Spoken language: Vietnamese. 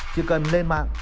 chỉ cần lên mạng